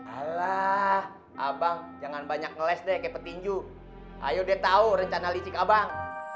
ala abang jangan banyak ngeles deketinju ayo deh tahu rencana licik abang